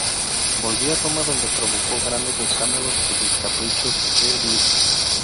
Volvió a Roma donde provocó grandes escándalos por sus caprichos de divo.